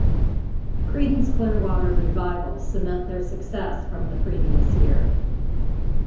Creedence Clearwater Revival cement their success from the previous year.